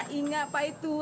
jelandes kata gue